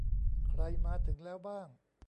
ใครมาถึงแล้วบ้าง